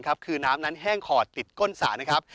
คือน้ำนั้นแห้งขอดติดก้นสะ